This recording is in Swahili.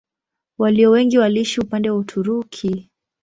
Walio wengi waliishi upande wa Uturuki.